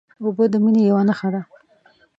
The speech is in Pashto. اوبه د مینې یوه نښه ده.